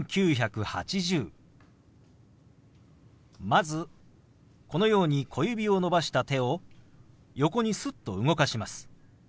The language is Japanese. まずこのように小指を伸ばした手を横にすっと動かします。